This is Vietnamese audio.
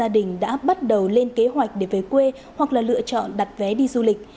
đã bắt đầu lên kế hoạch để về quê hoặc là lựa chọn đặt vé đi du lịch